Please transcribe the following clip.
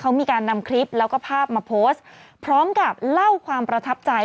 เขามีการนำคลิปแล้วก็ภาพมาโพสต์พร้อมกับเล่าความประทับใจ